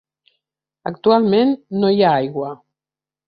Actualment no hi ha aigua.